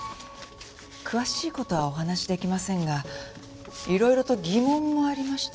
詳しい事はお話しできませんがいろいろと疑問もありまして。